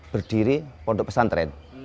berdiri produk pesantren